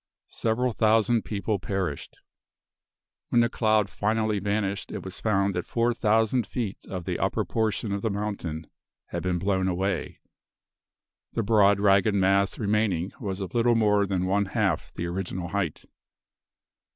Several thousand people perished. When the cloud finally vanished it was found that four thousand feet of the upper portion of the mountain had been blown away. The broad, ragged mass remaining was of little more than one half the original height.